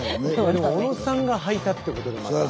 でも小野さんがはいたってことでまた。